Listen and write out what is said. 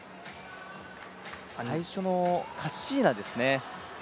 最初のカッシーナですね。